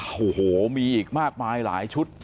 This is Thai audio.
โอ้โหมีอีกมากมายหลายชุด